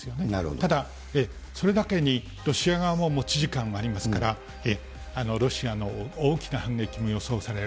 ただ、それだけに、ロシア側も持ち時間がありますから、ロシアの大きな反撃も予想される。